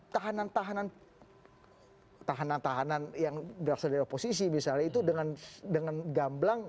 tahanan tahanan tahanan yang berasal dari oposisi misalnya itu dengan gamblang